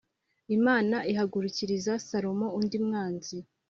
Imana ihagurukiriza Salomo undi mwanzi